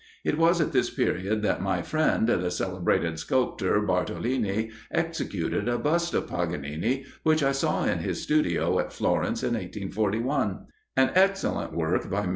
It was at this period that my friend, the celebrated sculptor, Bartolini, executed a bust of Paganini, which I saw in his studio at Florence, in 1841. An excellent work by M.